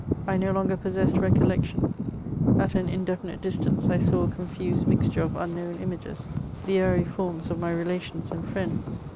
I no longer possessed recollection : at an indefinite distance I saw a confused mixture of unknown images, the airy forms of my re ladons and iriends.